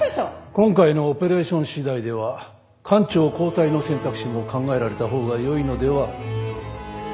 今回のオペレーション次第では艦長交代の選択肢も考えられたほうがよいのでは？